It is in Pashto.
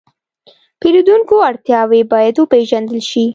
د پیرودونکو اړتیاوې باید وپېژندل شي.